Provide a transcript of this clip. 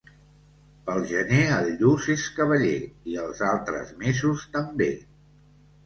Pel gener el lluç és cavaller i els altres mesos també.